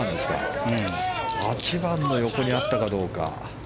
８番の横にあったかどうか。